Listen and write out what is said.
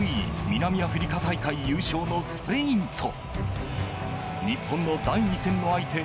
南アフリカ大会優勝のスペインと日本の第２戦の相手